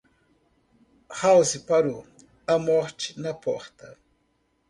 House parou, a morte na porta.